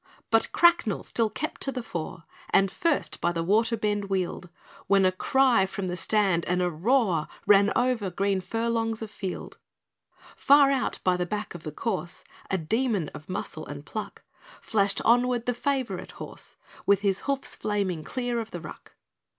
But Cracknell still kept to the fore, And first by the water bend wheeled, When a cry from the stand, and a roar Ran over green furlongs of field; Far out by the back of the course A demon of muscle and pluck Flashed onward the favourite horse, With his hoofs flaming clear of the ruck.